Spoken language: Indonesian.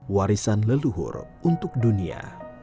warisan leluhur untuk dunia